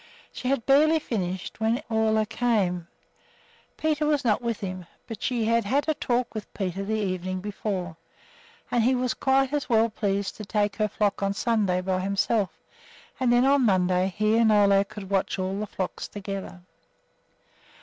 She had barely finished when Ole came. Peter was not with him; but she had had a talk with Peter the evening before, and he was quite as well pleased to take her flock on Sunday by himself, and then on Monday he and Ole could watch all the flocks together.